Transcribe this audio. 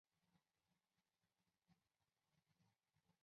毕业于河北省馆陶县滩上中学。